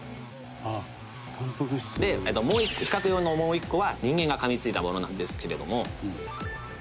「あったんぱく質」「比較用のもう１個は人間が噛み付いたものなんですけれども」